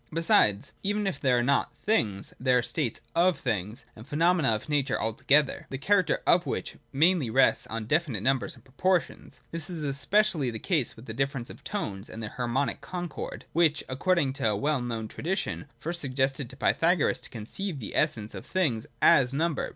Besides, even if there are not things, there are states of things, and phenomena of nature altogether, the character of which mainly rests on definite numbers and proportions. This is especially the case with the difference of tones and their harmonic concord, which, according to a well known tradition, first suggested to Pythagoras to conceive the essence of things as number.